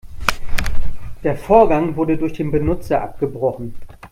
Der Vorgang wurde durch den Benutzer abgebrochen.